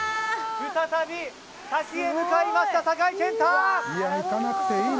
再び滝へ向かいました、酒井健太。